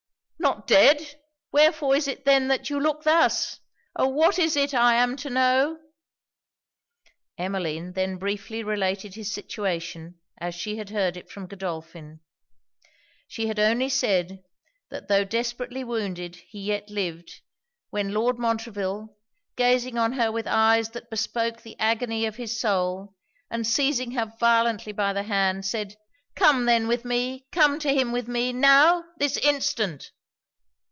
'Not dead! wherefore is it then that you look thus? Oh! what is it I am to know?' Emmeline then briefly related his situation, as she had heard it from Godolphin. She had only said, that tho' desperately wounded he yet lived, when Lord Montreville, gazing on her with eyes that bespoke the agony of his soul, and seizing her violently by the hand, said 'Come, then, with me! come to him with me, now, this instant!'